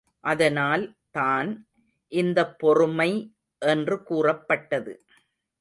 அதனால் தான் இந்தப் பொறுமை என்று கூறப்பட்டது.